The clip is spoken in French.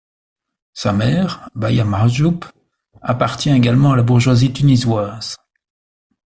Sa mère, Baya Mahjoub, appartient également à la bourgeoisie tunisoise.